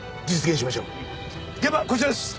現場こちらです！